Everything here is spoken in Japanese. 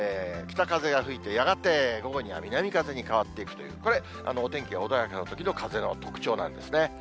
北風が吹いて、やがて午後には南風に変わっていくという、これ、お天気が穏やかなときの風の特徴なんですね。